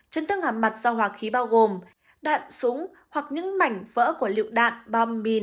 chấn thương hàm mặt do hòa khí bao gồm đạn súng hoặc những mảnh vỡ của lựu đạn bom mìn